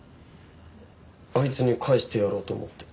あいつに返してやろうと思って。